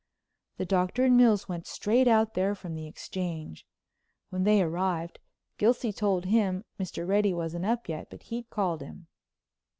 The Doctor and Mills went straight out there from the Exchange. When they arrived Gilsey told him Mr. Reddy wasn't up yet, but he'd call him.